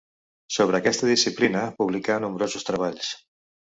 Sobre aquesta disciplina publicà nombrosos treballs.